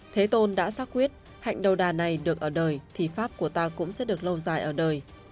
thế tôn đã xác quyết hạnh đầu đà này được ở đời thì pháp của ta cũng sẽ được lâu dài ở đời